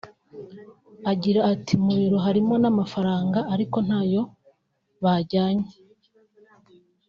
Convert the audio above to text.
Agira ati “Mu biro harimo n’amafaranga ariko ntayo bajyanye